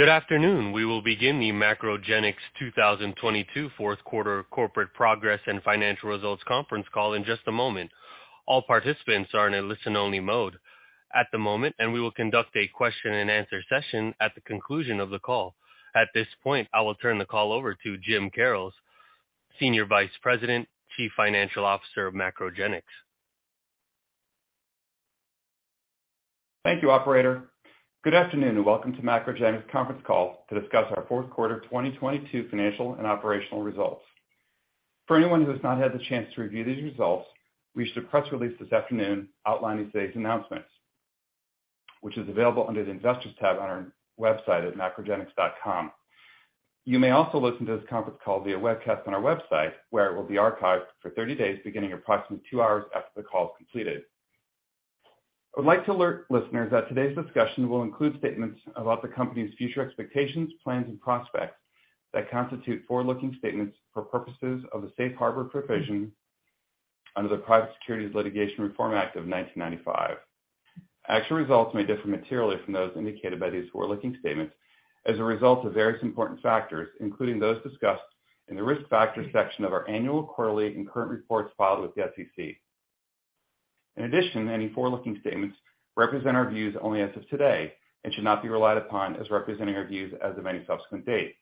Good afternoon. We will begin the MacroGenics 2022 fourth quarter corporate progress and financial results conference call in just a moment. All participants are in a listen-only mode at the moment. We will conduct a question and answer session at the conclusion of the call. At this point, I will turn the call over to Jim Karrels, Senior Vice President, Chief Financial Officer of MacroGenics. Thank you, operator. Good afternoon, and welcome to MacroGenics conference call to discuss our fourth quarter 2022 financial and operational results. For anyone who has not had the chance to review these results, we issued a press release this afternoon outlining today's announcements, which is available under the Investors tab on our website at macrogenics.com. You may also listen to this conference call via webcast on our website, where it will be archived for 30 days, beginning approximately 2 hours after the call is completed. I would like to alert listeners that today's discussion will include statements about the company's future expectations, plans, and prospects that constitute forward-looking statements for purposes of the safe harbor provision under the Private Securities Litigation Reform Act of 1995. Actual results may differ materially from those indicated by these forward-looking statements as a result of various important factors, including those discussed in the Risk Factors section of our annual, quarterly, and current reports filed with the SEC. In addition, any forward-looking statements represent our views only as of today and should not be relied upon as representing our views as of any subsequent date.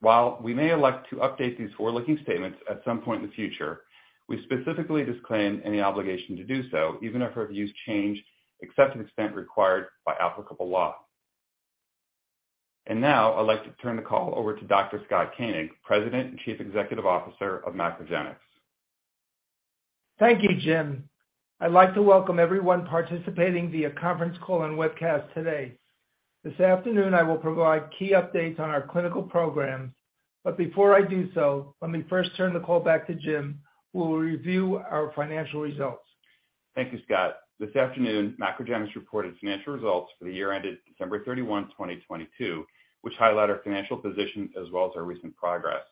While we may elect to update these forward-looking statements at some point in the future, we specifically disclaim any obligation to do so, even if our views change, except to the extent required by applicable law. Now I'd like to turn the call over to Dr. Scott Koenig, President and Chief Executive Officer of MacroGenics. Thank you, Jim. I'd like to welcome everyone participating via conference call and webcast today. This afternoon, I will provide key updates on our clinical programs. Before I do so, let me first turn the call back to Jim, who will review our financial results. Thank you, Scott. This afternoon, MacroGenics reported financial results for the year ended December 31, 2022, which highlight our financial position as well as our recent progress.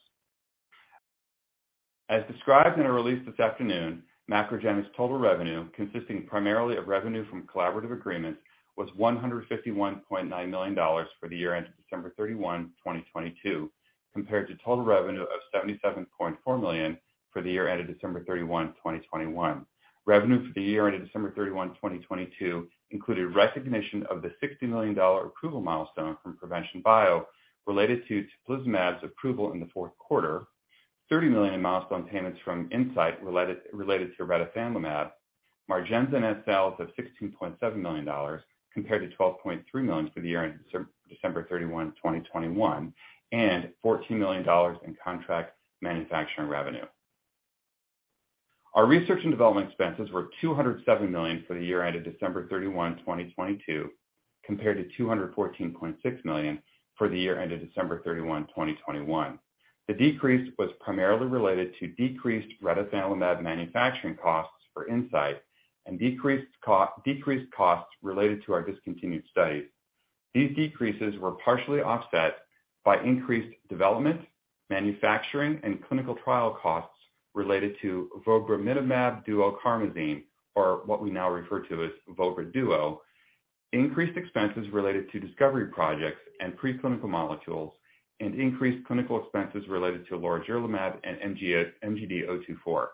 As described in our release this afternoon, MacroGenics' total revenue, consisting primarily of revenue from collaborative agreements, was $151.9 million for the year ended December 31, 2022, compared to total revenue of $77.4 million for the year ended December 31, 2021. Revenue for the year ended December 31, 2022 included recognition of the $60 million approval milestone from Provention Bio related to Teplizumab's approval in the fourth quarter, $30 million in milestone payments from Incyte related to Retifanlimab, MARGENZA net sales of $16.7 million compared to $12.3 million for the year ended December 31, 2021, and $14 million in contract manufacturing revenue. Our research and development expenses were $207 million for the year ended December 31, 2022, compared to $214.6 million for the year ended December 31, 2021. The decrease was primarily related to decreased Retifanlimab manufacturing costs for Incyte and decreased costs related to our discontinued studies. These decreases were partially offset by increased development, manufacturing, and clinical trial costs related to Vobramitamab Duocarmazine, or what we now refer to as Vovra Duo, increased expenses related to discovery projects and preclinical molecules, and increased clinical expenses related to Lorigerlimab and MGD024.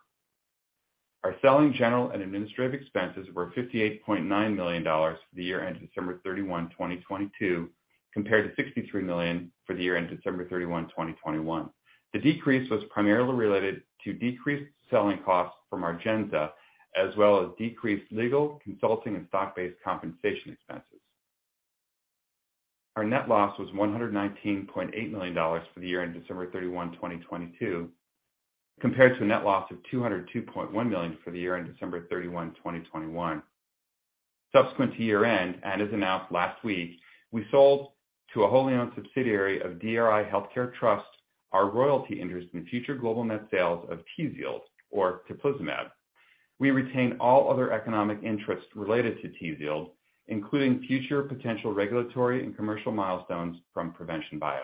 Our selling, general, and administrative expenses were $58.9 million for the year ended December 31, 2022, compared to $63 million for the year ended December 31, 2021. The decrease was primarily related to decreased selling costs from MARGENZA as well as decreased legal, consulting, and stock-based compensation expenses. Our net loss was $119.8 million for the year ended December 31, 2022, compared to a net loss of $202.1 million for the year ended December 31, 2021. Subsequent to year-end, and as announced last week, we sold to a wholly owned subsidiary of DRI Healthcare Trust our royalty interest in future global net sales of TZIELD, or Teplizumab. We retain all other economic interests related to TZIELD, including future potential regulatory and commercial milestones from Provention Bio.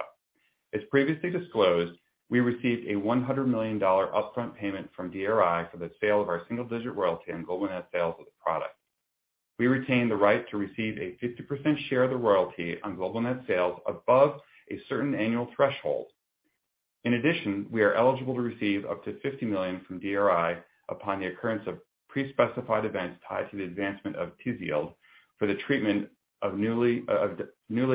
As previously disclosed, we received a $100 million upfront payment from DRI for the sale of our single-digit royalty on global net sales of the product. We retain the right to receive a 50% share of the royalty on global net sales above a certain annual threshold. In addition, we are eligible to receive up to $50 million from DRI Healthcare Trust upon the occurrence of pre-specified events tied to the advancement of TZIELD for the treatment of newly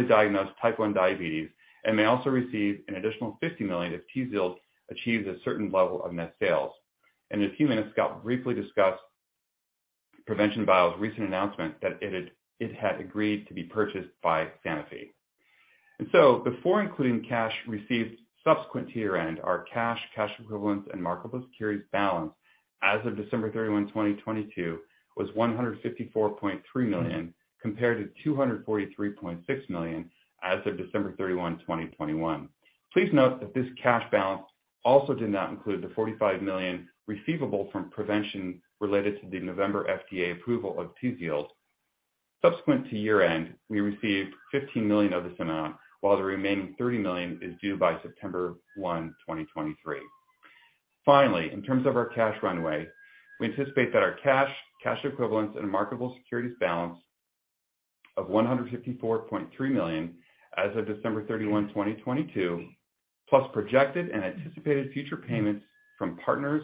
diagnosed Type 1 diabetes and may also receive an additional $50 million if TZIELD achieves a certain level of net sales. In a few minutes, Scott will briefly discuss Provention Bio's recent announcement that it had agreed to be purchased by Sanofi. Before including cash received subsequent to year-end, our cash equivalents, and marketable securities balance as of December 31, 2022 was $154.3 million, compared to $243.6 million as of December 31, 2021. Please note that this cash balance also did not include the $45 million receivable from Provention related to the November FDA approval of TZIELD. Subsequent to year-end, we received $15 million of this amount, while the remaining $30 million is due by September 1, 2023. In terms of our cash runway, we anticipate that our cash equivalents, and marketable securities balance of $154.3 million as of December 31, 2022, plus projected and anticipated future payments from partners,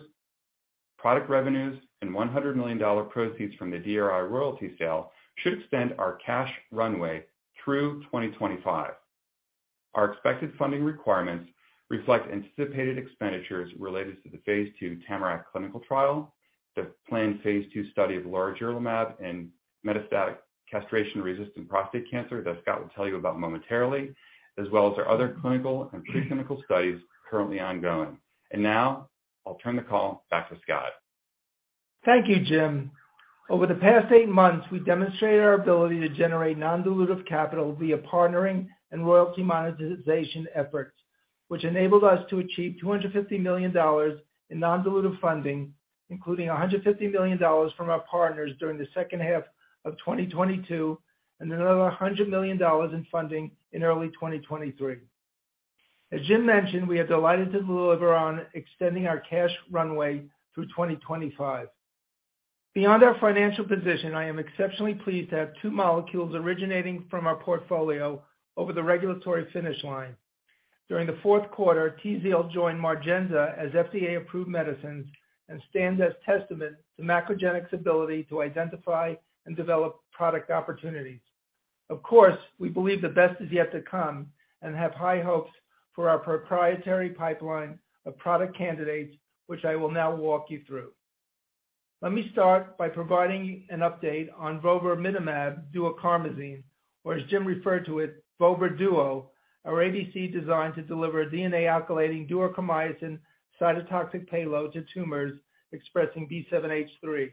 product revenues, and $100 million proceeds from the DRI royalty sale should extend our cash runway through 2025. Our expected funding requirements reflect anticipated expenditures related to the Phase 2 TAMARACK clinical trial, the planned phase 2 study of lorigerlimab in metastatic castration-resistant prostate cancer that Scott will tell you about momentarily, as well as our other clinical and preclinical studies currently ongoing. Now I'll turn the call back to Scott. Thank you, Jim. Over the past eight months, we've demonstrated our ability to generate non-dilutive capital via partnering and royalty monetization efforts, which enabled us to achieve $250 million in non-dilutive funding, including $150 million from our partners during the second half of 2022, and another $100 million in funding in early 2023. As Jim mentioned, we are delighted to deliver on extending our cash runway through 2025. Beyond our financial position, I am exceptionally pleased to have two molecules originating from our portfolio over the regulatory finish line. During the fourth quarter, TZIELD joined MARGENZA as FDA-approved medicines and stands as testament to MacroGenics' ability to identify and develop product opportunities. Of course, we believe the best is yet to come and have high hopes for our proprietary pipeline of product candidates, which I will now walk you through. Let me start by providing an update on Vobramitamab Duocarmazine, or as Jim referred to it, Vobra Duo, our ADC designed to deliver DNA-alkylating Duocarmazine cytotoxic payload to tumors expressing B7-H3.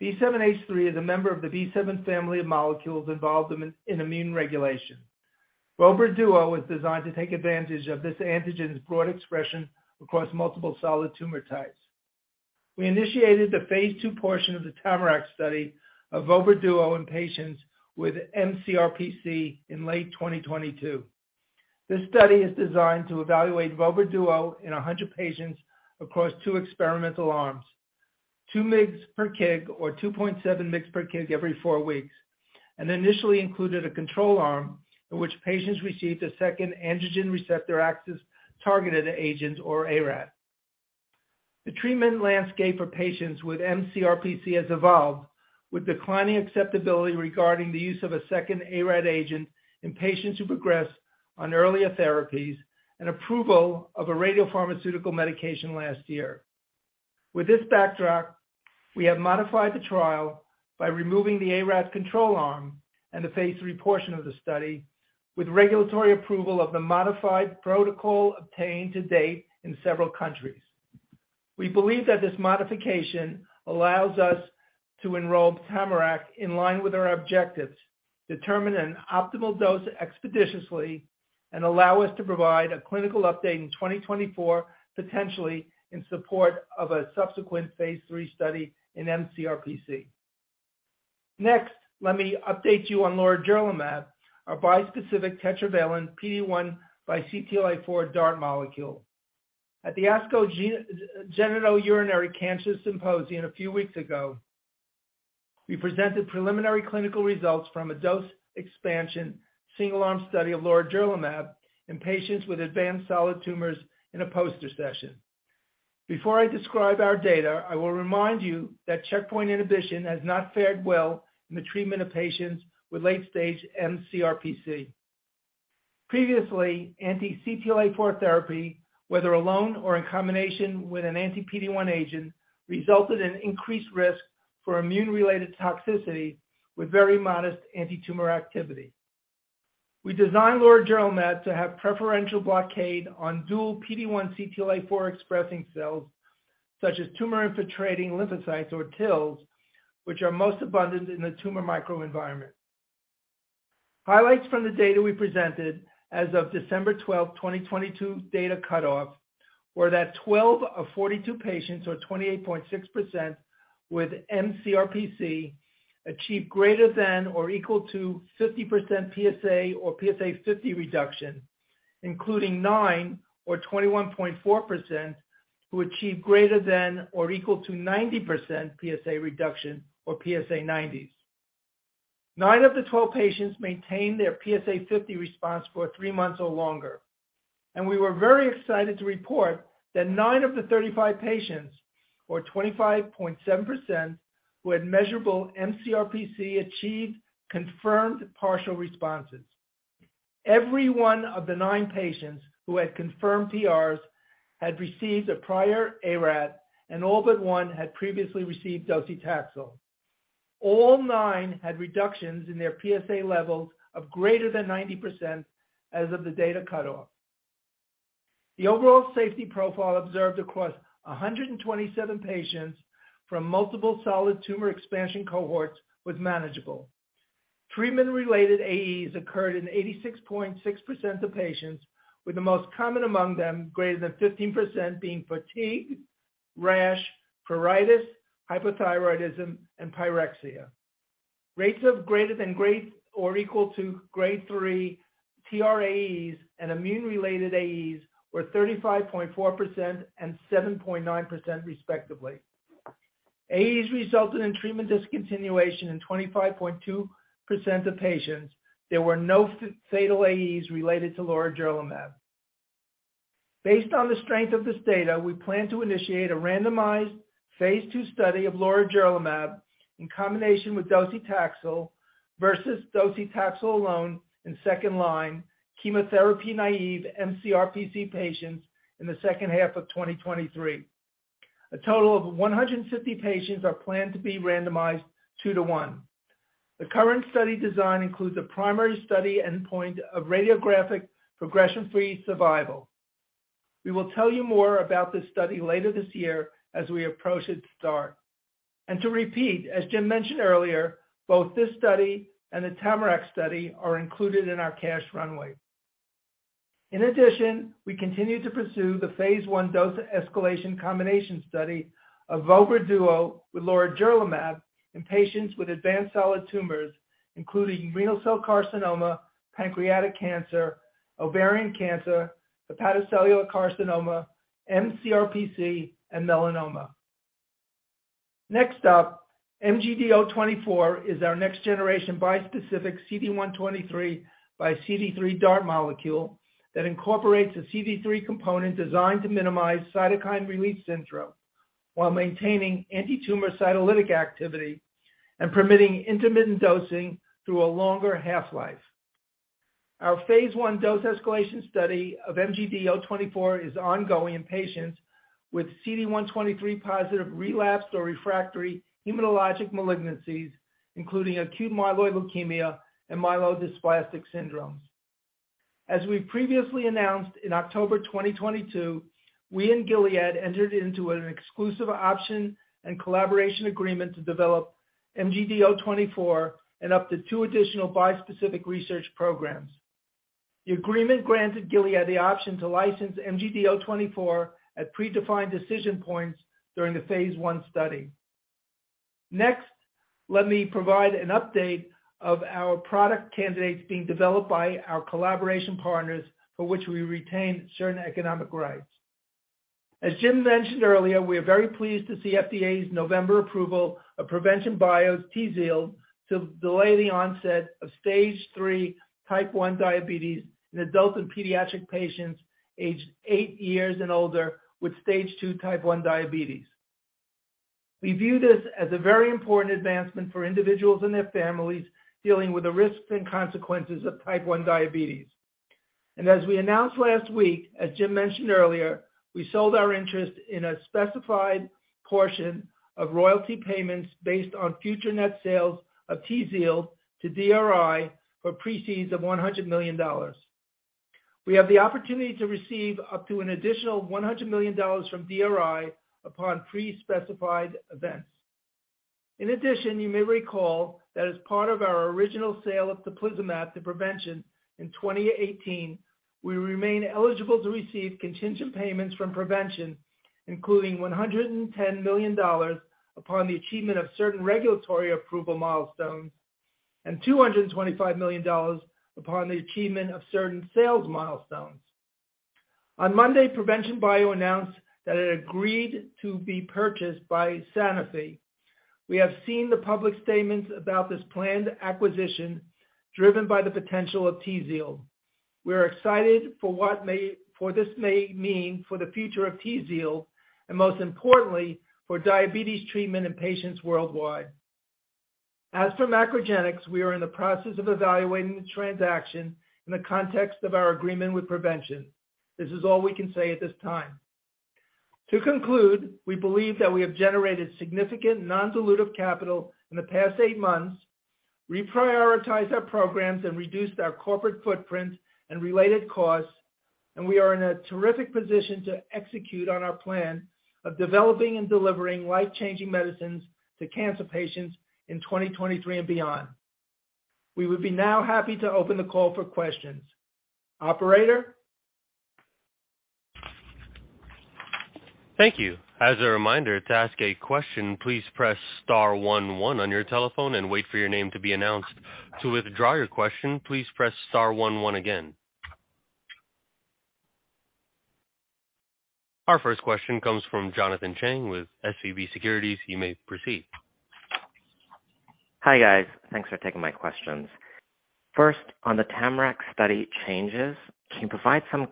B7-H3 is a member of the B7 family of molecules involved in immune regulation. Vobra Duo is designed to take advantage of this antigen's broad expression across multiple solid tumor types. We initiated the phase two portion of the TAMARACK study of Vobra Duo in patients with mCRPC in late 2022. This study is designed to evaluate Vovra Duo in 100 patients across 2 experimental arms, 2 mg per kg or 2.7 mg per kg every 4 weeks, and initially included a control arm in which patients received a second androgen receptor axis-targeted agent or ARAT. The treatment landscape for patients with mCRPC has evolved, with declining acceptability regarding the use of a second ARAT agent in patients who progressed on earlier therapies and approval of a radiopharmaceutical medication last year. With this backdrop, we have modified the trial by removing the ARAT control arm and the phase 3 portion of the study with regulatory approval of the modified protocol obtained to date in several countries. We believe that this modification allows us to enroll TAMARACK in line with our objectives, determine an optimal dose expeditiously, and allow us to provide a clinical update in 2024, potentially in support of a subsequent phase 3 study in mCRPC. Next, let me update you on lorigerlimab, a bispecific tetravalent PD-1 by CTLA-4 DART molecule. At the ASCO Genitourinary Cancers Symposium a few weeks ago, we presented preliminary clinical results from a dose expansion single-arm study of lorigerlimab in patients with advanced solid tumors in a poster session. Before I describe our data, I will remind you that checkpoint inhibition has not fared well in the treatment of patients with late-stage mCRPC. Previously, anti-CTLA-4 therapy, whether alone or in combination with an anti-PD-1 agent, resulted in increased risk for immune-related toxicity with very modest antitumor activity. We designed Lorigerlimab to have preferential blockade on dual PD-1 CTLA-4 expressing cells, such as tumor-infiltrating lymphocytes or TILs, which are most abundant in the tumor microenvironment. Highlights from the data we presented as of December 12, 2022 data cutoff were that 12 of 42 patients or 28.6% with mCRPC achieved greater than or equal to 50% PSA or PSA 50 reduction, including 9 or 21.4% who achieved greater than or equal to 90% PSA reduction or PSA 90s. 9 of the 12 patients maintained their PSA 50 response for 3 months or longer. We were very excited to report that 9 of the 35 patients or 25.7% who had measurable mCRPC achieved confirmed partial responses. Every one of the 9 patients who had confirmed PRs had received a prior ARAT, and all but one had previously received Docetaxel. All 9 had reductions in their PSA levels of greater than 90% as of the data cutoff. The overall safety profile observed across 127 patients from multiple solid tumor expansion cohorts was manageable. Treatment-related AEs occurred in 86.6% of patients, with the most common among them greater than 15% being fatigue, rash, pruritus, hypothyroidism, and pyrexia. Rates of greater than Grade or equal to Grade 3 TRAEs and immune-related AEs were 35.4% and 7.9% respectively. AEs resulted in treatment discontinuation in 25.2% of patients. There were no fatal AEs related to Lorigerlimab. Based on the strength of this data, we plan to initiate a randomized phase 2 study of Lorigerlimab in combination with Docetaxel versus Docetaxel alone in second line, chemotherapy-naive mCRPC patients in the second half of 2023. A total of 150 patients are planned to be randomized 2 to 1. The current study design includes a primary study endpoint of radiographic progression-free survival. We will tell you more about this study later this year as we approach its start. To repeat, as Jim mentioned earlier, both this study and the TAMARACK study are included in our cash runway. In addition, we continue to pursue the phase 1 dose escalation combination study of Vobra Duo with Lorigerlimab in patients with advanced solid tumors, including renal cell carcinoma, pancreatic cancer, ovarian cancer, hepatocellular carcinoma, mCRPC, and melanoma. Next up, MGD024 is our next generation bispecific CD123 by CD3 DART molecule that incorporates a CD3 component designed to minimize cytokine release syndrome while maintaining antitumor cytolytic activity and permitting intermittent dosing through a longer half-life. Our phase 1 dose escalation study of MGD024 is ongoing in patients with CD123 positive relapsed or refractory hematologic malignancies, including acute myeloid leukemia and myelodysplastic syndromes. As we previously announced in October 2022, we and Gilead entered into an exclusive option and collaboration agreement to develop MGD024 and up to 2 additional bispecific research programs. The agreement granted Gilead the option to license MGD024 at predefined decision points during the phase 1 study. Next, let me provide an update of our product candidates being developed by our collaboration partners for which we retain certain economic rights. As Jim mentioned earlier, we are very pleased to see FDA's November approval of Provention Bio's TZIELD to delay the onset of Stage 3 type 1 diabetes in adult and pediatric patients aged eight years and older with Stage 2 type 1 diabetes. We view this as a very important advancement for individuals and their families dealing with the risks and consequences of type 1 diabetes. As we announced last week, as Jim mentioned earlier, we sold our interest in a specified portion of royalty payments based on future net sales of TZIELD to DRI for proceeds of $100 million. We have the opportunity to receive up to an additional $100 million from DRI upon pre-specified events. You may recall that as part of our original sale of Teplizumab to Prevention in 2018, we remain eligible to receive contingent payments from Prevention, including $110 million upon the achievement of certain regulatory approval milestones and $225 million upon the achievement of certain sales milestones. On Monday, Provention Bio announced that it agreed to be purchased by Sanofi. We have seen the public statements about this planned acquisition driven by the potential of TZIELD. We are excited for what this may mean for the future of TZIELD, and most importantly, for diabetes treatment in patients worldwide. As for MacroGenics, we are in the process of evaluating the transaction in the context of our agreement with Prevention. This is all we can say at this time. To conclude, we believe that we have generated significant non-dilutive capital in the past 8 months, reprioritized our programs and reduced our corporate footprint and related costs, and we are in a terrific position to execute on our plan of developing and delivering life-changing medicines to cancer patients in 2023 and beyond. We would be now happy to open the call for questions. Operator? Thank you. As a reminder, to ask a question, please press star one one on your telephone and wait for your name to be announced. To withdraw your question, please press star one one again. Our first question comes from Jonathan Chang with SVB Securities. You may proceed. Hi, guys. Thanks for taking my questions. First, on the TAMARACK study changes, can you provide some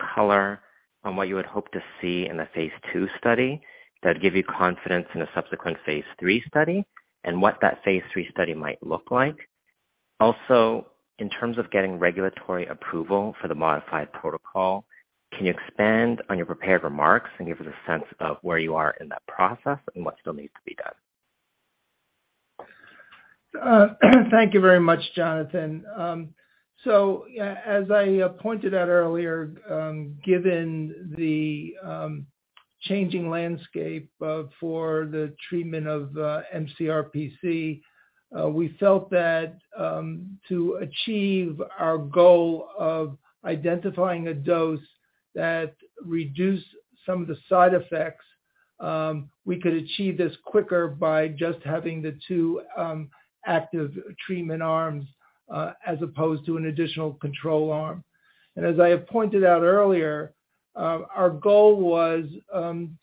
color on what you would hope to see in the phase two study that give you confidence in a subsequent phase three study and what that phase three study might look like? Also, in terms of getting regulatory approval for the modified protocol, can you expand on your prepared remarks and give us a sense of where you are in that process and what still needs to be done? Thank you very much, Jonathan. Yeah, as I pointed out earlier, given the changing landscape for the treatment of mCRPC, we felt that to achieve our goal of identifying a dose that reduce some of the side effects. We could achieve this quicker by just having the 2 active treatment arms as opposed to an additional control arm. As I have pointed out earlier, our goal was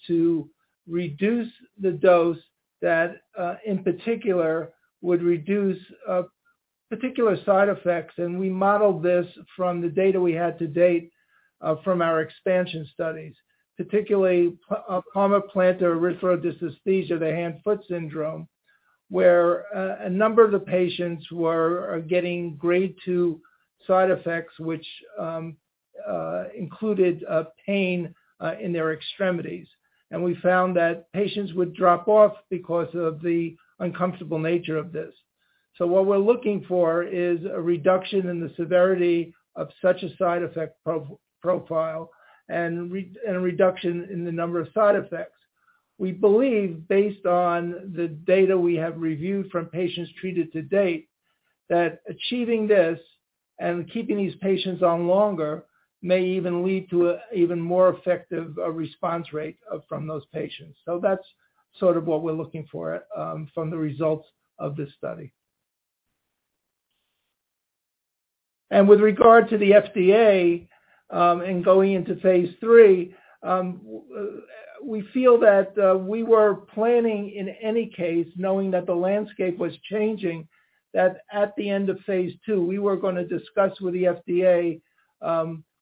to reduce the dose that in particular would reduce particular side effects. We modeled this from the data we had to date from our expansion studies, particularly Palmar-Plantar Erythrodysesthesia, the hand-foot syndrome, where a number of the patients are getting grade two side effects, which included pain in their extremities. We found that patients would drop off because of the uncomfortable nature of this. What we're looking for is a reduction in the severity of such a side effect profile and a reduction in the number of side effects. We believe based on the data we have reviewed from patients treated to date, that achieving this and keeping these patients on longer may even lead to a even more effective response rate from those patients. That's sort of what we're looking for from the results of this study. With regard to the FDA, and going into phase three, we feel that we were planning, in any case, knowing that the landscape was changing, that at the end of phase two, we were gonna discuss with the FDA,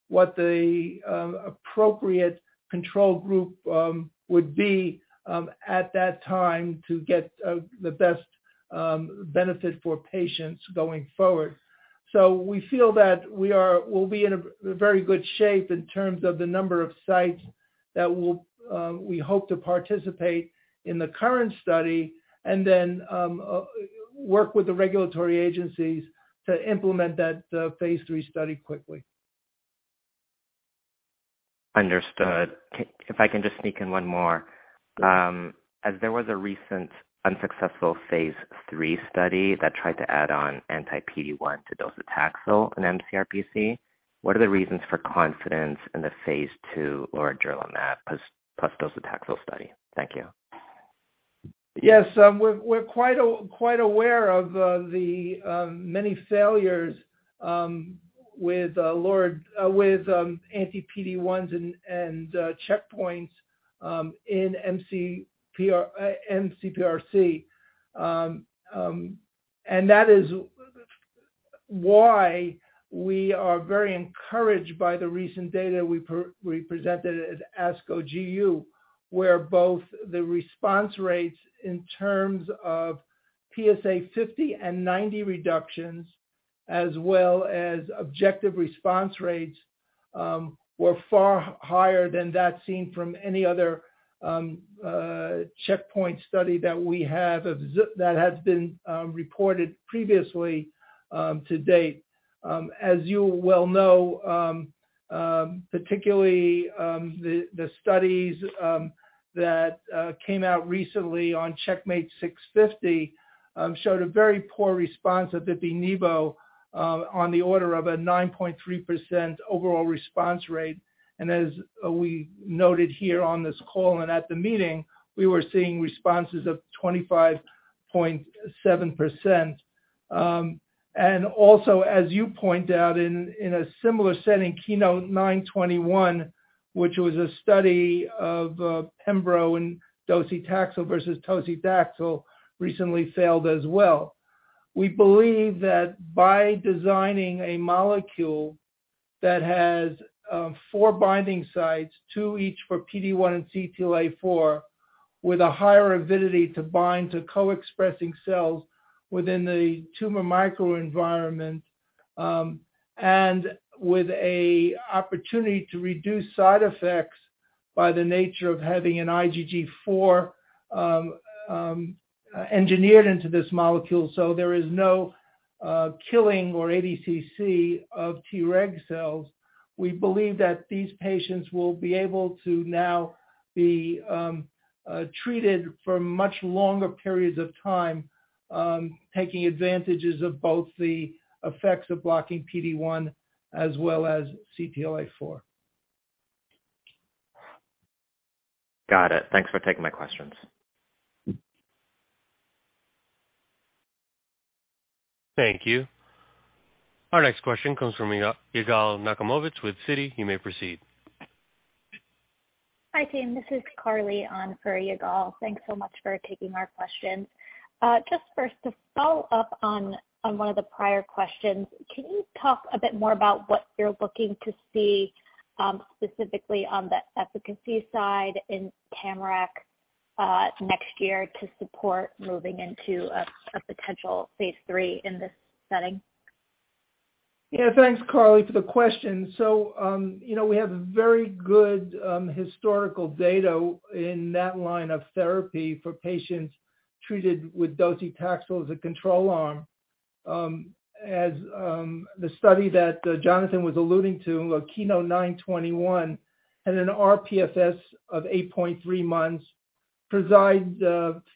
what the appropriate control group would be, at that time to get the best benefit for patients going forward. We feel that we'll be in a very good shape in terms of the number of sites that will, we hope to participate in the current study and then, work with the regulatory agencies to implement that phase three study quickly. Understood. If I can just sneak in one more. As there was a recent unsuccessful phase 3 study that tried to add on anti-PD-1 to docetaxel in mCRPC, what are the reasons for confidence in the phase 2 lorigerlimab plus docetaxel study? Thank you. Yes. We're quite aware of the many failures with anti-PD-1s and checkpoints in mCRPC. That is why we are very encouraged by the recent data we presented at ASCO GU, where both the response rates in terms of PSA 50 and 90 reductions, as well as objective response rates, were far higher than that seen from any other checkpoint study that has been reported previously to date. As you well know, particularly, the studies that came out recently on CheckMate 650 showed a very poor response of ipi/nivo on the order of a 9.3% overall response rate. As we noted here on this call and at the meeting, we were seeing responses of 25.7%. Also, as you point out in a similar setting, KEYNOTE-921, which was a study of pembro and docetaxel versus docetaxel, recently failed as well. We believe that by designing a molecule that has four binding sites, two each for PD-1 and CTLA-4, with a higher avidity to bind to co-expressing cells within the tumor microenvironment, and with a opportunity to reduce side effects by the nature of having an IgG4 engineered into this molecule, so there is no killing or ADCC of Treg cells. We believe that these patients will be able to now be treated for much longer periods of time, taking advantages of both the effects of blocking PD-1 as well as CTLA-4. Got it. Thanks for taking my questions. Thank you. Our next question comes from Yigal Nochomovitz with Citi. You may proceed. Hi, team. This is Carly on for Yigal. Thanks so much for taking our questions. just first to follow up on one of the prior questions, can you talk a bit more about what you're looking to see, specifically on the efficacy side in TAMARACK, next year to support moving into a potential phase 3 in this setting? Yeah. Thanks, Carly, for the question. You know, we have very good historical data in that line of therapy for patients treated with docetaxel as a control arm. As the study that Jonathan was alluding to, KEYNOTE-921, had an rPFS of 8.3 months, PRESIDE,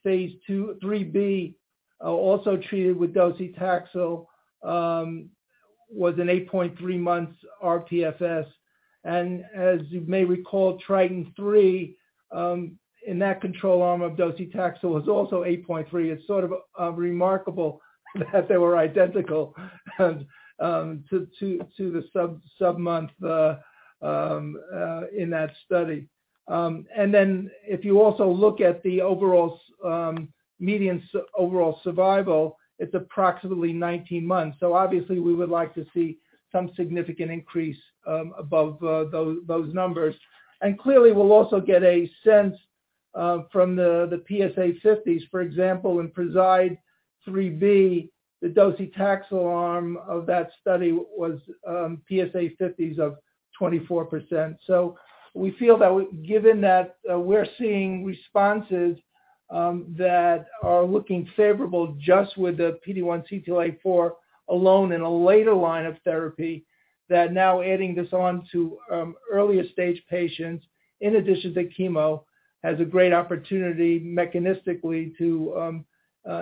phase 2, 3B, also treated with Docetaxel, was an 8.3 months RPFS. As you may recall, TRITON3, in that control arm of Docetaxel was also 8.3. It's sort of remarkable that they were identical to the sub-sub-month in that study. If you also look at the overall median overall survival, it's approximately 19 months. Obviously we would like to see some significant increase above those numbers. Clearly we'll also get a sense from the PSA 50s. For example, in PRESIDE-3-V, the Docetaxel arm of that study was PSA 50s of 24%. We feel that given that we're seeing responses that are looking favorable just with the PD-1 CTLA-4 alone in a later line of therapy, that now adding this on to earlier stage patients in addition to chemo, has a great opportunity mechanistically to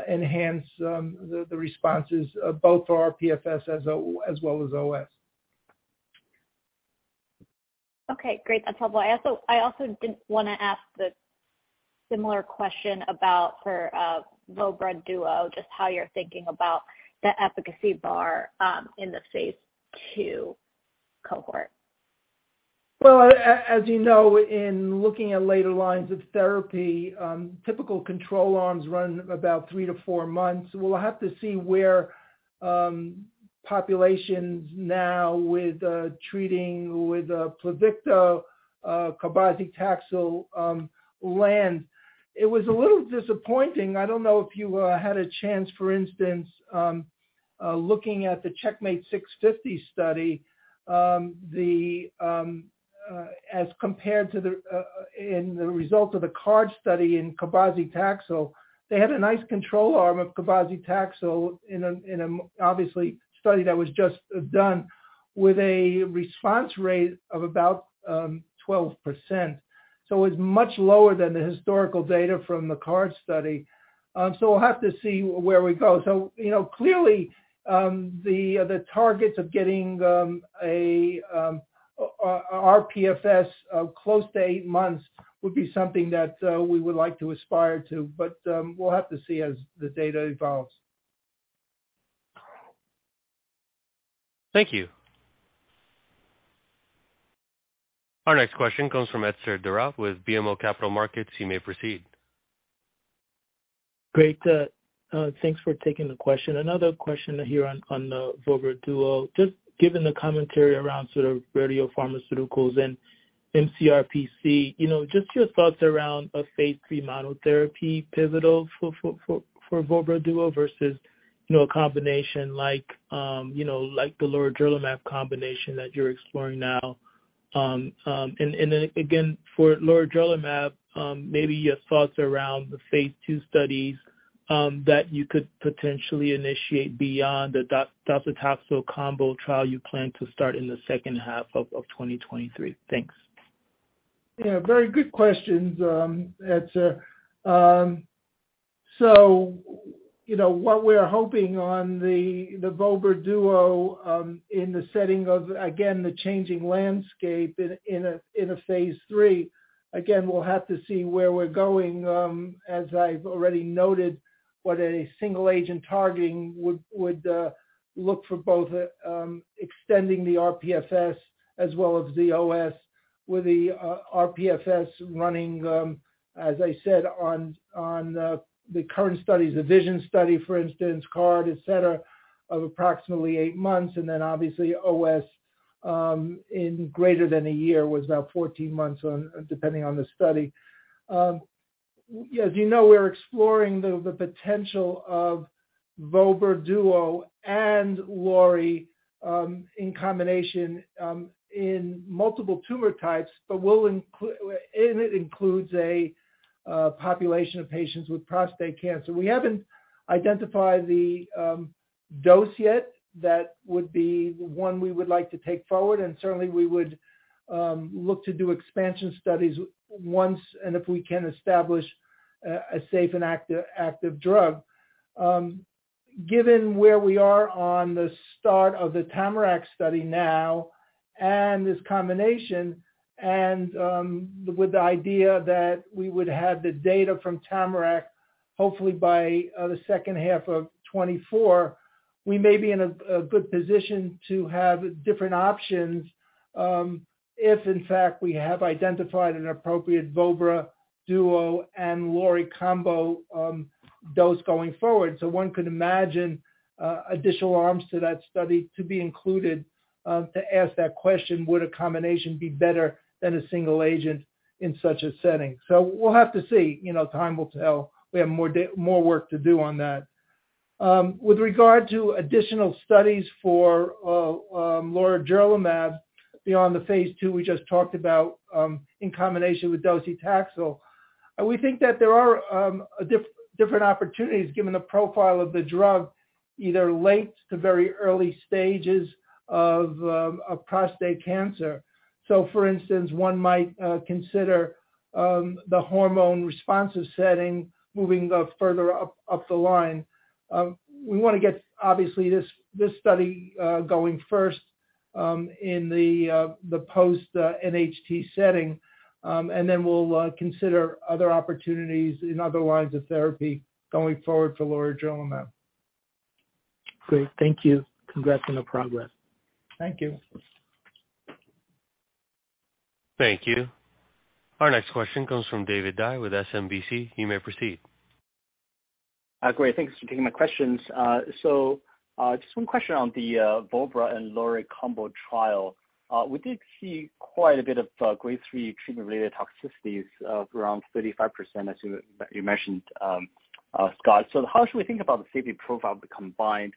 enhance the responses both to our rPFS as well as OS. Okay, great. That's helpful. I also did wanna ask the similar question about for Vobra Duo, just how you're thinking about the efficacy bar in the Phase 2 cohort. Well, as you know, in looking at later lines of therapy, typical control arms run about three to four months. We'll have to see where populations now with treating with Pluvicto, Cabazitaxel land. It was a little disappointing, I don't know if you had a chance, for instance, looking at the CheckMate 650 study. The as compared to the in the results of the CARD study in Cabazitaxel, they had a nice control arm of Cabazitaxel in a obviously study that was just done with a response rate of about 12%. It's much lower than the historical data from the CARD study. We'll have to see where we go. You know, clearly, the targets of getting a rPFS of close to eight months would be something that we would like to aspire to. We'll have to see as the data evolves. Thank you. Our next question comes from Etzer Daroya with BMO Capital Markets. You may proceed. Great. Thanks for taking the question. Another question here on the Vobra Duo. Just given the commentary around sort of radiopharmaceuticals and mCRPC, you know, just your thoughts around a Phase 3 monotherapy pivotal for Vobra Duo versus, you know, a combination like, you know, like the Lorigerlimab combination that you're exploring now. Then again for Lorigerlimab, maybe your thoughts around the phase 2 studies that you could potentially initiate beyond the docetaxel combo trial you plan to start in the second half of 2023. Thanks. Yeah, very good questions, Carly. So, you know, what we're hoping on the vobra duo in the setting of, again, the changing landscape in a phase 3, again, we'll have to see where we're going. As I've already noted, what a single agent targeting would look for both extending the rPFS as well as the OS, with the rPFS running, as I said on the current studies, the VISION study, for instance, CARD, et cetera, of approximately 8 months. And then obviously OS in greater than a year was now 14 months depending on the study. As you know, we're exploring the potential of Vobra Duo and Lorigerlimab in combination in multiple tumor types, but it includes a population of patients with prostate cancer. We haven't identified the dose yet that would be one we would like to take forward, and certainly we would look to do expansion studies once and if we can establish a safe and active drug. Given where we are on the start of the TAMARACK study now and this combination, with the idea that we would have the data from TAMARACK hopefully by the second half of 2024, we may be in a good position to have different options, if in fact we have identified an appropriate Vobra Duo and Lorigerlimab combo dose going forward. One could imagine additional arms to that study to be included to ask that question, "Would a combination be better than a single agent in such a setting?" We'll have to see. You know, time will tell. We have more work to do on that. With regard to additional studies for Lorigerlimab beyond the Phase 2 we just talked about, in combination with docetaxel, we think that there are different opportunities given the profile of the drug, either late to very early stages of prostate cancer. For instance, one might consider the hormone responsive setting moving further up the line. We wanna get obviously this study going first in the post NHT setting, and then we'll consider other opportunities in other lines of therapy going forward for Lorigerlimab. Great. Thank you. Congrats on the progress. Thank you. Thank you. Our next question comes from David Dai with SMBC. You may proceed. Great. Thanks for taking my questions. Just one question on the Vobra and Lorigerlimab combo trial. We did see quite a bit of Grade 3 treatment-related toxicities of around 35%, as you mentioned, Scott. How should we think about the safety profile of the combined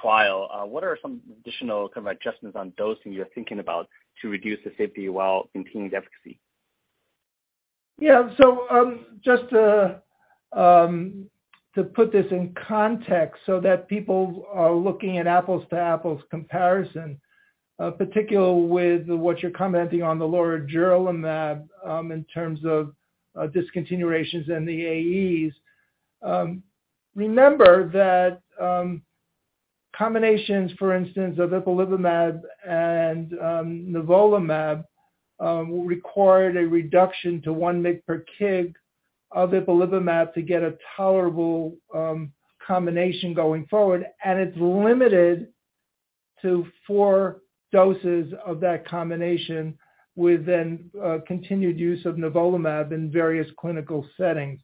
trial? What are some additional kind of adjustments on dosing you're thinking about to reduce the safety while maintaining the efficacy? Yeah. Just to put this in context so that people are looking at apples to apples comparison, particularly with what you're commenting on the Lorigerlimab, in terms of discontinuations and the AEs. Remember that combinations, for instance of Ipilimumab and Nivolumab, required a reduction to 1 mg per kg of Ipilimumab to get a tolerable combination going forward. It's limited to 4 doses of that combination with continued use of Nivolumab in various clinical settings.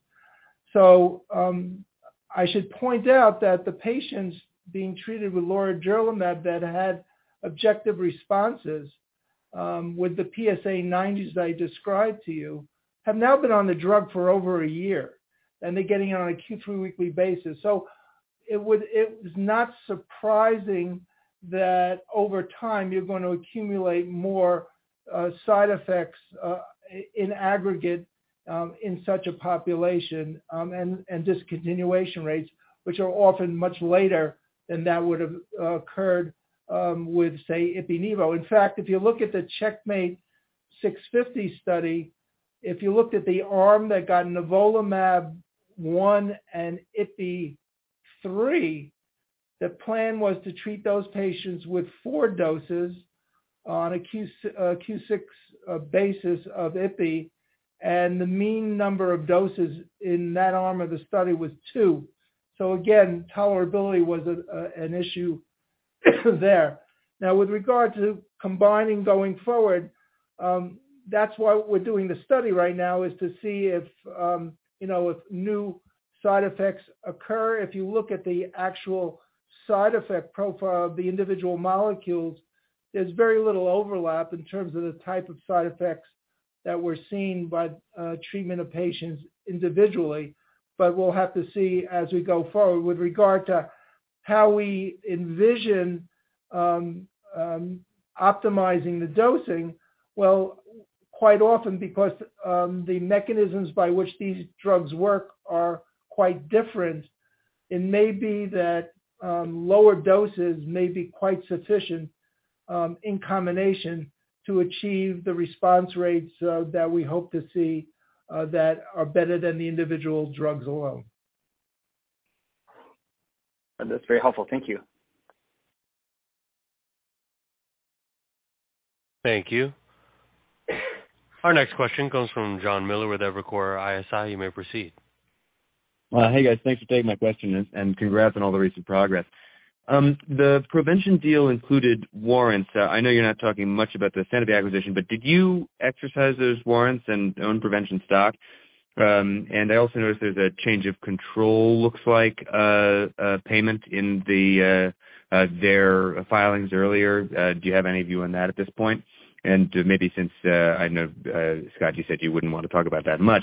I should point out that the patients being treated with lorigerlimab that had objective responses, with the PSA 90s that I described to you have now been on the drug for over a year, and they're getting it on a Q 3-weekly basis. It was not surprising that over time you're gonna accumulate more side effects in aggregate in such a population, and discontinuation rates, which are often much later than that would have occurred with, say, Ipi/Nivo. In fact, if you look at the CheckMate 650 study, if you looked at the arm that got nivolumab 1 and Ipi 3, the plan was to treat those patients with 4 doses on a Q6 basis of Ipi, and the mean number of doses in that arm of the study was 2. Again, tolerability was an issue there. With regard to combining going forward, that's why we're doing the study right now, is to see if, you know, if new side effects occur. If you look at the actual side effect profile of the individual molecules, there's very little overlap in terms of the type of side effects that we're seeing by treatment of patients individually. We'll have to see as we go forward. With regard to how we envision optimizing the dosing, well, quite often, because the mechanisms by which these drugs work are quite different, it may be that lower doses may be quite sufficient in combination to achieve the response rates that we hope to see that are better than the individual drugs alone. That's very helpful. Thank you. Thank you. Our next question comes from Jonathan Miller with Evercore ISI. You may proceed. Hey, guys. Thanks for taking my question and congrats on all the recent progress. The Provention deal included warrants. I know you're not talking much about the Sanofi acquisition, but did you exercise those warrants and own Provention stock? I also noticed there's a change of control, looks like a payment in their filings earlier. Do you have any view on that at this point? Maybe since I know Scott, you said you wouldn't want to talk about that much.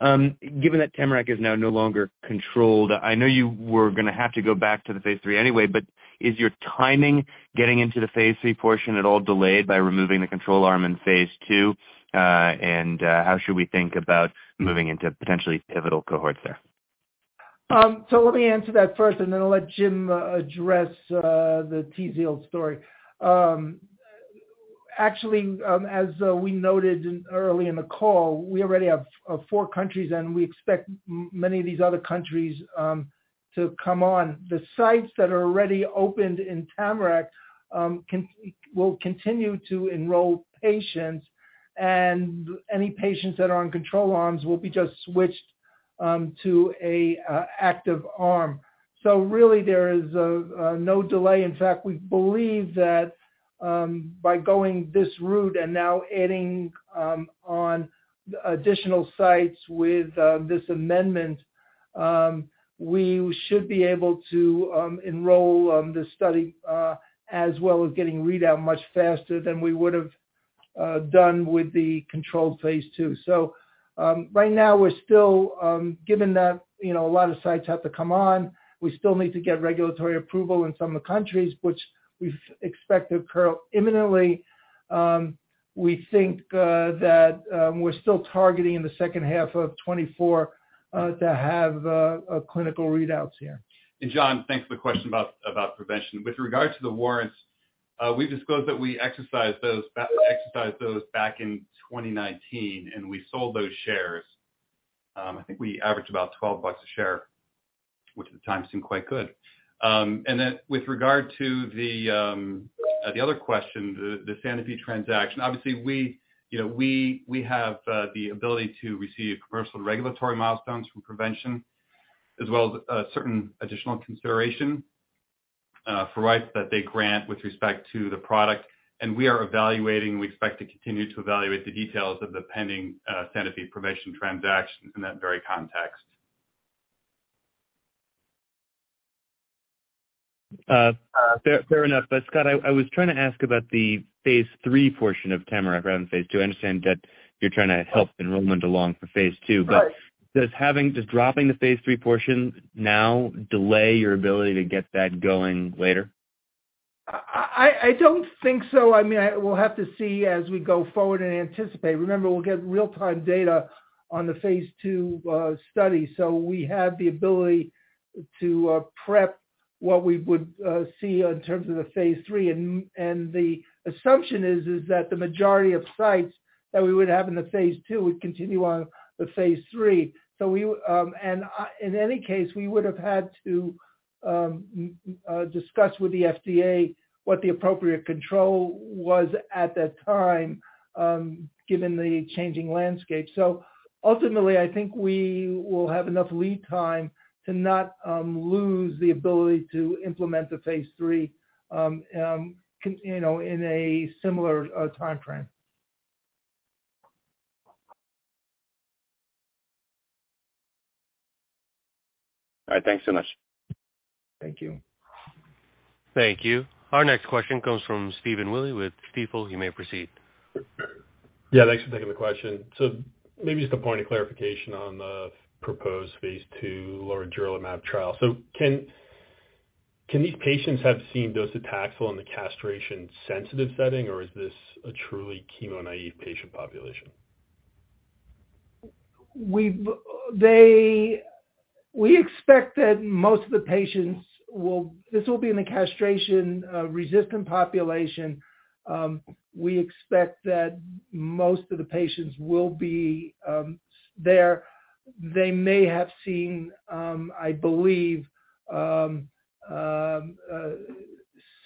Given that TAMARACK is now no longer controlled, I know you were gonna have to go back to the Phase 3 anyway, but is your timing getting into the Phase 3 portion at all delayed by removing the control arm in Phase 2? How should we think about moving into potentially pivotal cohorts there? Let me answer that first and then I'll let Jim address the TZIELD story. Actually, as we noted early in the call, we already have 4 countries, and we expect many of these other countries to come on. The sites that are already opened in TAMARACK will continue to enroll patients, and any patients that are on control arms will be just switched to an active arm. Really there is no delay. In fact, we believe that by going this route and now adding on additional sites with this amendment, we should be able to enroll the study as well as getting readout much faster than we would've done with the controlled Phase 2. Right now we're still, given that, you know, a lot of sites have to come on, we still need to get regulatory approval in some of the countries which we expect to occur imminently. We think that we're still targeting in the second half of 2024 to have clinical readouts here. John, thanks for the question about Provention. With regards to the warrants, we've disclosed that we exercised those back in 2019, and we sold those shares. I think we averaged about 12 bucks a share, which at the time seemed quite good. With regard to the other question, the Sanofi transaction. Obviously, we, you know, we have the ability to receive commercial regulatory milestones from Provention, as well as certain additional consideration for rights that they grant with respect to the product. We are evaluating, we expect to continue to evaluate the details of the pending Sanofi Provention transaction in that very context. Scott, I was trying to ask about the Phase 3 portion of TAMARACK around phase 2. I understand that you're trying to help enrollment along for Phase 2. Right. Does dropping the Phase 3 portion now delay your ability to get that going later? I don't think so. I mean, we'll have to see as we go forward and anticipate. Remember, we'll get real-time data on the Phase 2 study. We have the ability to prep what we would see in terms of the Phase 3. The assumption is that the majority of sites that we would have in the Phase 2 would continue on the Phase 3. In any case, we would have had to discuss with the FDA what the appropriate control was at that time, given the changing landscape. Ultimately, I think we will have enough lead time to not lose the ability to implement the Phase 3, you know, in a similar timeframe. All right. Thanks so much. Thank you. Thank you. Our next question comes from Stephen Willey with Stifel. You may proceed. Yeah, thanks for taking the question. maybe just a point of clarification on the proposed phase two Lorigerlimab trial. can these patients have seen dose of Taxol in the castration-sensitive setting, or is this a truly chemo-naive patient population? We expect that most of the patients will. This will be in the castration-resistant population. We expect that most of the patients will be there. They may have seen, I believe, some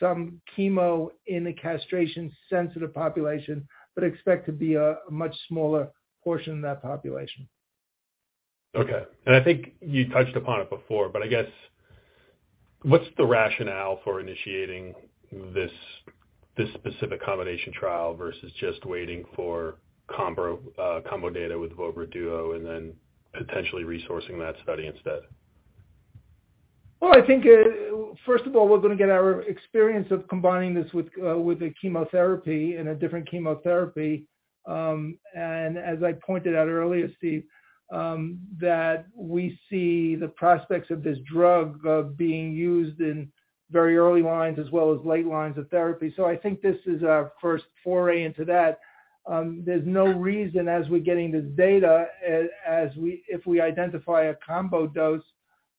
chemo in the castration-sensitive population, but expect to be a much smaller portion of that population. Okay. I think you touched upon it before, but I guess what's the rationale for initiating this specific combination trial versus just waiting for combo data with Vobra Duo and then potentially resourcing that study instead? Well, I think, first of all, we're gonna get our experience of combining this with the chemotherapy in a different chemotherapy. As I pointed out earlier, Steve, that we see the prospects of this drug being used in very early lines as well as late lines of therapy. I think this is our first foray into that. There's no reason as we're getting this data, if we identify a combo dose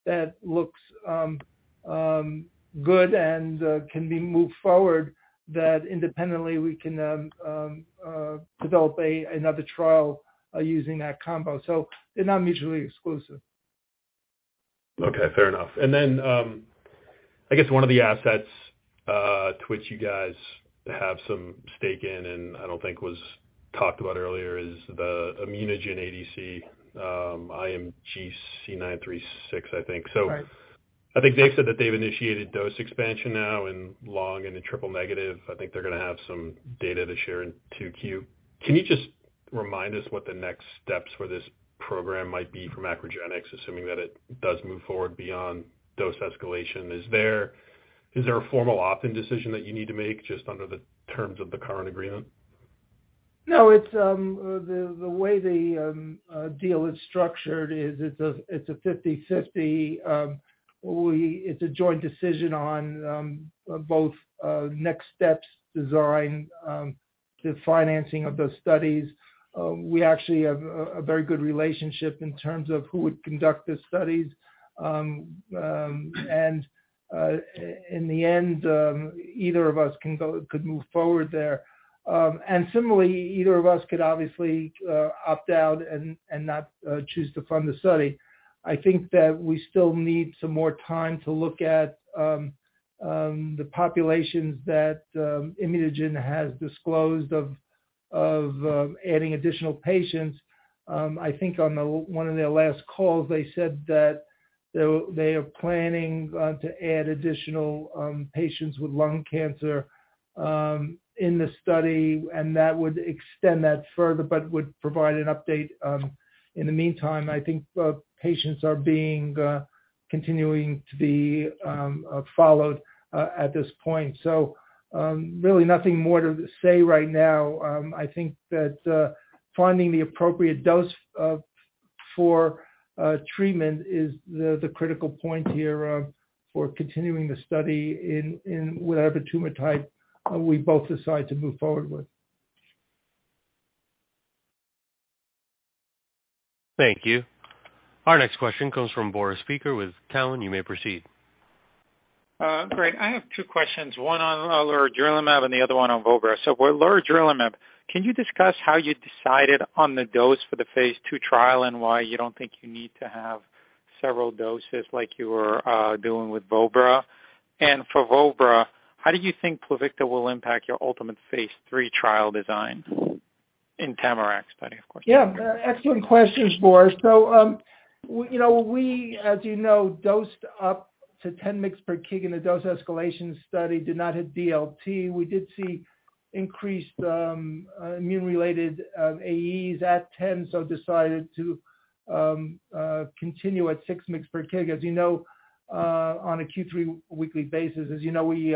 that looks good and can be moved forward, that independently we can develop another trial using that combo. They're not mutually exclusive. Okay. Fair enough. I guess one of the assets to which you guys have some stake in, and I don't think was talked about earlier is the ImmunoGen ADC, IMG C nine three six, I think. Right. I think they said that they've initiated dose expansion now in lung and in triple negative. I think they're going to have some data to share in 2Q. Can you just remind us what the next steps for this program might be from MacroGenics, assuming that it does move forward beyond dose escalation? Is there a formal opt-in decision that you need to make just under the terms of the current agreement? No. It's the way the deal is structured is it's a 50/50. It's a joint decision on both next steps design, the financing of those studies. We actually have a very good relationship in terms of who would conduct the studies. In the end, either of us could move forward there. Similarly, either of us could obviously opt out and not choose to fund the study. I think that we still need some more time to look at the populations that ImmunoGen has disclosed of adding additional patients. I think on the one of their last calls, they said that they are planning to add additional patients with lung cancer in the study, and that would extend that further, but would provide an update. In the meantime, I think patients are being continuing to be followed at this point. Really nothing more to say right now. I think that finding the appropriate dose for treatment is the critical point here for continuing the study in whatever tumor type we both decide to move forward with. Thank you. Our next question comes from Boris Peaker with Cowen. You may proceed. Great. I have 2 questions. One on Lurbinalumab and the other one on Vobra. For Lurbinalumab, can you discuss how you decided on the dose for the Phase 2 trial and why you don't think you need to have several doses like you were doing with Vobra? For Vobra, how do you think Pluvicto will impact your ultimate Phase 3 trial design in TAMARACK study, of course? Yeah, excellent questions, Boris. we, you know, we as you know, dosed up to 10 mgs per kg in a dose escalation study, did not hit DLT. We did see increased immune-related AEs at 10, so decided to continue at 6 mgs per kg. on a Q3 weekly basis, as you know, we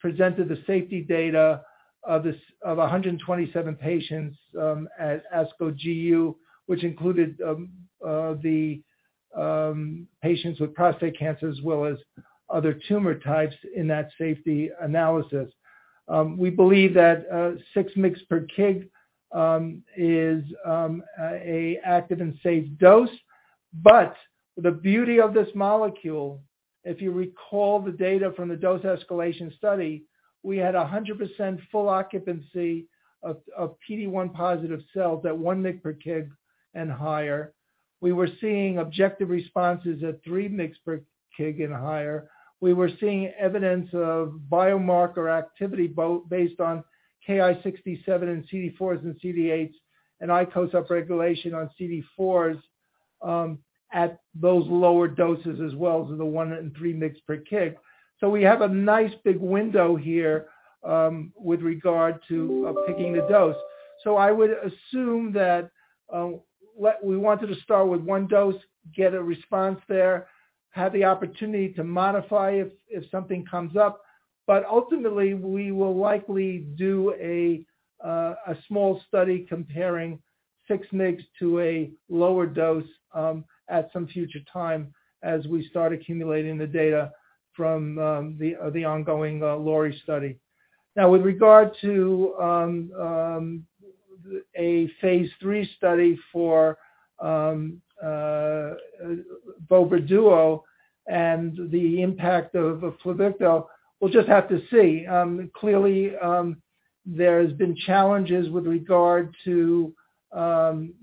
presented the safety data of 127 patients at ASCO GU, which included the patients with prostate cancer, as well as other tumor types in that safety analysis. We believe that 6 mgs per kg is a active and safe dose. The beauty of this molecule, if you recall the data from the dose escalation study, we had 100% full occupancy of PD-1 positive cells at 1 mg/kg and higher. We were seeing objective responses at 3 mg/kg and higher. We were seeing evidence of biomarker activity based on Ki-67 and CD4s and CD8 and ICOS upregulation on CD4s at those lower doses as well as the 1 and 3 mg/kg. We have a nice big window here with regard to picking the dose. I would assume that we wanted to start with 1 dose, get a response there, have the opportunity to modify if something comes up. Ultimately, we will likely do a small study comparing 6 mg to a lower dose at some future time as we start accumulating the data from the ongoing lorigerlimab study. With regard to a phase 3 study for vobra duo and the impact of Pluvicto, we'll just have to see. Clearly, there's been challenges with regard to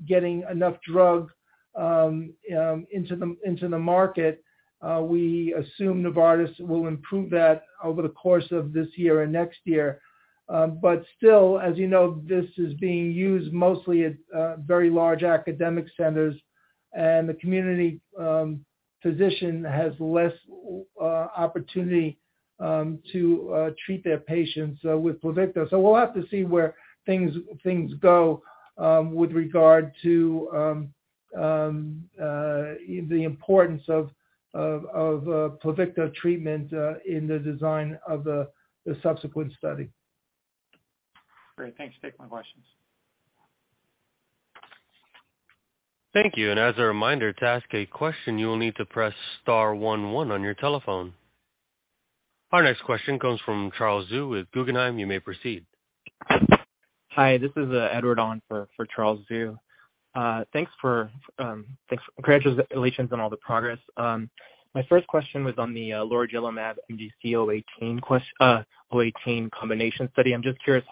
getting enough drug into the market. We assume Novartis will improve that over the course of this year and next year. Still, as you know, this is being used mostly at very large academic centers, and the community physician has less opportunity to treat their patients with Pluvicto. We'll have to see where things go with regard to the importance of Pluvicto treatment in the design of the subsequent study. Great. Thanks. Take my questions. Thank you. As a reminder, to ask a question, you will need to press star one one on your telephone. Our next question comes from Charles Zhu with Guggenheim. You may proceed. Hi, this is Edward Ahn for Charles Zhu. Thanks for thanks, congratulations on all the progress. My first question was on the lurbinalumab MGC018 combination study. I'm just curious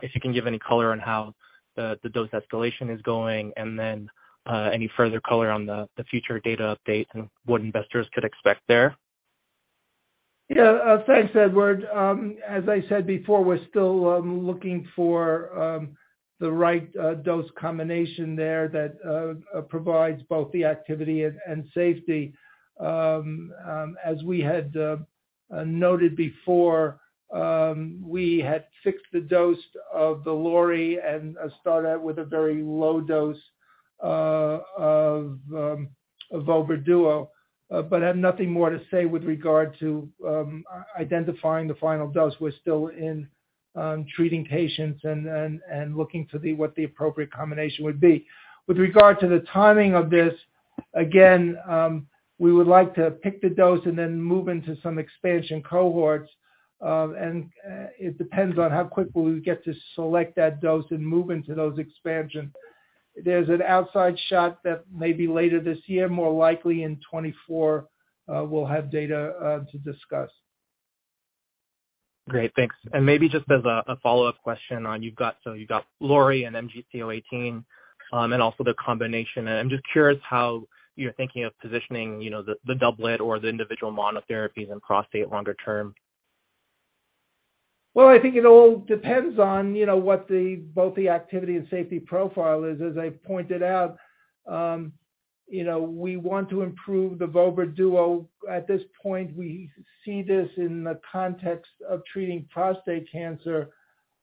if you can give any color on how the dose escalation is going, and then any further color on the future data update and what investors could expect there? Yeah. thanks, Edward. As I said before, we're still looking for the right dose combination there that provides both the activity and safety. As we had noted before, we had fixed the dose of the lori and start out with a very low dose of vobra duo, but have nothing more to say with regard to identifying the final dose. We're still in treating patients and looking what the appropriate combination would be. With regard to the timing of this, again, we would like to pick the dose and then move into some expansion cohorts. It depends on how quick will we get to select that dose and move into those expansion. There's an outside shot that maybe later this year, more likely in 2024, we'll have data to discuss. Great. Thanks. Maybe just as a follow-up question on you've got lori and MGC018, and also the combination. I'm just curious how you're thinking of positioning, you know, the doublet or the individual monotherapies in prostate longer term? Well, I think it all depends on, you know, what the, both the activity and safety profile is. As I pointed out, you know, we want to improve the vobra duo. At this point, we see this in the context of treating prostate cancer,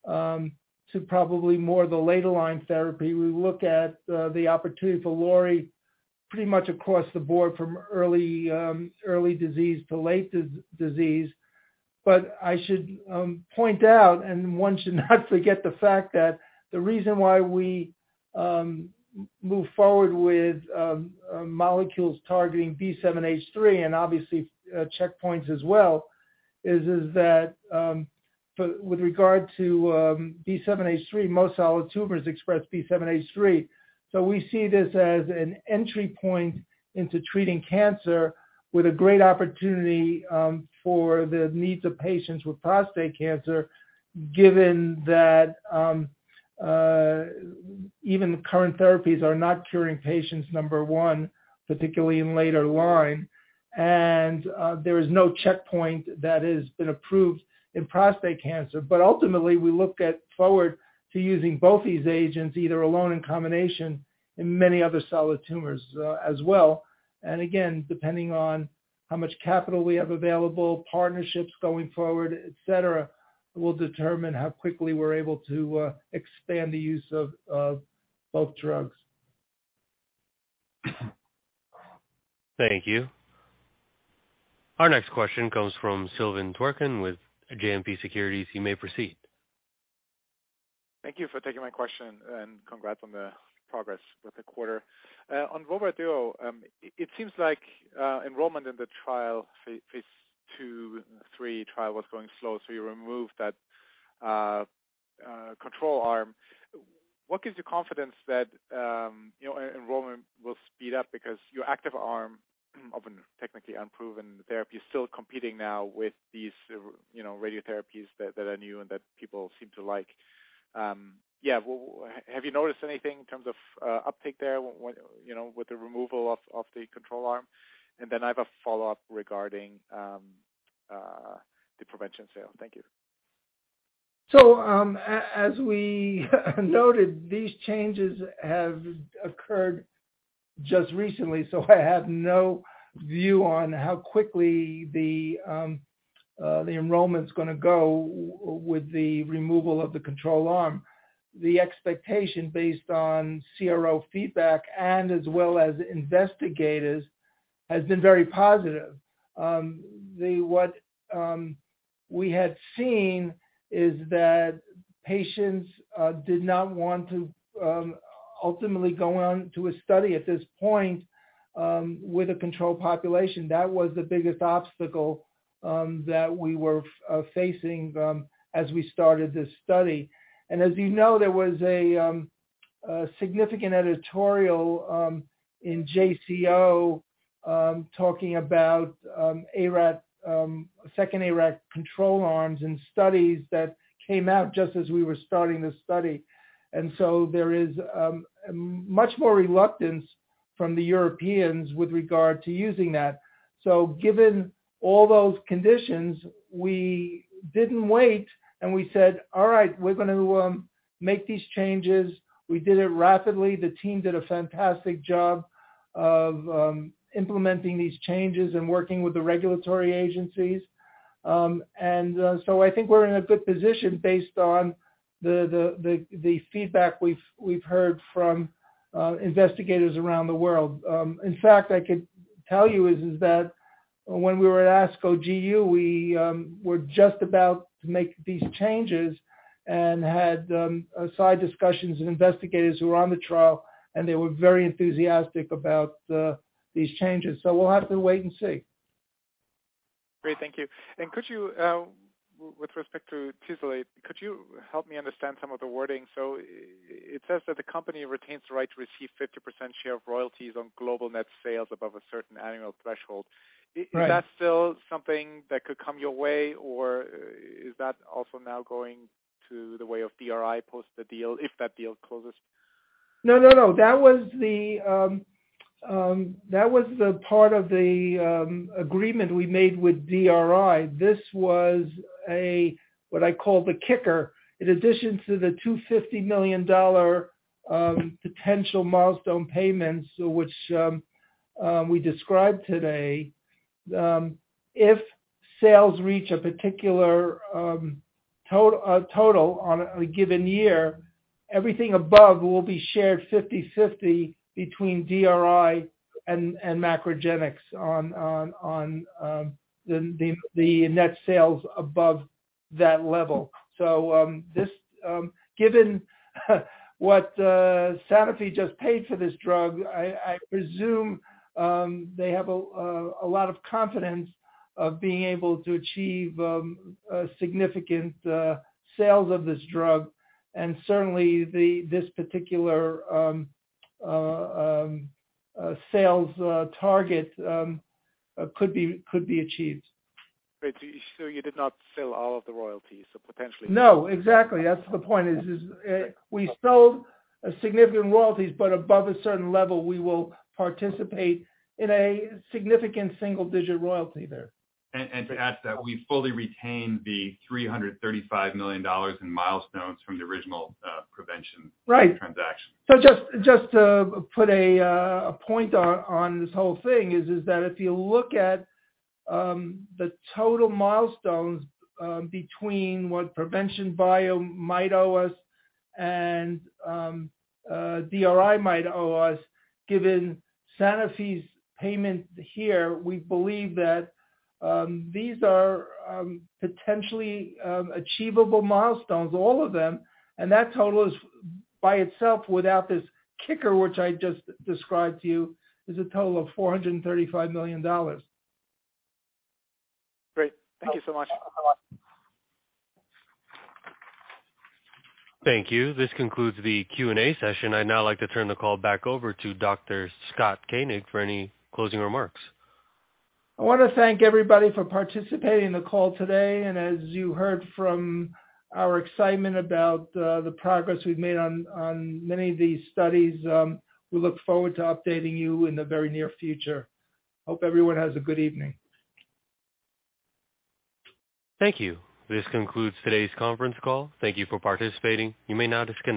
to probably more the later line therapy. We look at the opportunity for lori pretty much across the board from early disease to late disease. I should point out, and one should not forget the fact that the reason why we move forward with molecules targeting B7-H3 and obviously checkpoints as well is that for with regard to B7-H3, most solid tumors express B7-H3. We see this as an entry point into treating cancer with a great opportunity for the needs of patients with prostate cancer, given that even the current therapies are not curing patients, number one, particularly in later line. There is no checkpoint that has been approved in prostate cancer. Ultimately, we look at forward to using both these agents, either alone in combination, in many other solid tumors as well. Again, depending on how much capital we have available, partnerships going forward, et cetera, will determine how quickly we're able to expand the use of both drugs. Thank you. Our next question comes from Silvan Tuerkcan with JMP Securities. You may proceed. Thank you for taking my question. Congrats on the progress with the quarter. On Vobra, it seems like enrollment in the trial Phase 2 and 3 trial was going slow, so you removed that control arm. What gives you confidence that, you know, enrollment will speed up because your active arm of a technically unproven therapy is still competing now with these, you know, radiotherapies that are new and that people seem to like? Yeah, have you noticed anything in terms of uptake there, you know, with the removal of the control arm? Then I have a follow-up regarding the Prevention sale. Thank you. As we noted, these changes have occurred just recently, so I have no view on how quickly the enrollment's gonna go with the removal of the control arm. The expectation based on CRO feedback and as well as investigators has been very positive. What we had seen is that patients did not want to ultimately go on to a study at this point with a control population. That was the biggest obstacle that we were facing as we started this study. As you know, there was a significant editorial in JCO talking about ARAT, second ARAT control arms and studies that came out just as we were starting this study. There is much more reluctance from the Europeans with regard to using that. Given all those conditions, we didn't wait and we said, "All right, we're gonna make these changes." We did it rapidly. The team did a fantastic job of implementing these changes and working with the regulatory agencies. I think we're in a good position based on the feedback we've heard from investigators around the world. In fact, I could tell you is that when we were at ASCO GU, we were just about to make these changes and had side discussions with investigators who were on the trial, and they were very enthusiastic about these changes. We'll have to wait and see. Great. Thank you. Could you, with respect to Tislelizumab, could you help me understand some of the wording? It says that the company retains the right to receive 50% share of royalties on global net sales above a certain annual threshold. Right. Is that still something that could come your way, or is that also now going to the way of DRI post the deal if that deal closes? No, no. That was the part of the agreement we made with DRI. This was a, what I call the kicker. In addition to the $250 million potential milestone payments, which we described today, if sales reach a particular total on a given year, everything above will be shared 50/50 between DRI and MacroGenics on the net sales above that level. This given what Sanofi just paid for this drug, I presume they have a lot of confidence of being able to achieve significant sales of this drug. Certainly this particular sales target could be achieved. Great. You did not sell all of the royalties, so potentially- No, exactly. That's the point is, we sold a significant royalties, but above a certain level, we will participate in a significant single-digit royalty there. to add to that, we fully retain the $335 million in milestones from the original. Right... transaction. Just to put a point on this whole thing is that if you look at the total milestones between what Prevention Bio might owe us and DRI might owe us, given Sanofi's payment here, we believe that these are potentially achievable milestones, all of them. That total is by itself without this kicker, which I just described to you, is a total of $435 million. Great. Thank you so much. Thank you. This concludes the Q&A session. I'd now like to turn the call back over to Dr. Scott Koenig for any closing remarks. I want to thank everybody for participating in the call today. As you heard from our excitement about the progress we've made on many of these studies, we look forward to updating you in the very near future. Hope everyone has a good evening. Thank you. This concludes today's conference call. Thank you for participating. You may now disconnect.